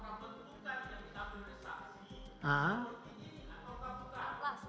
apa yang kamu butuhkan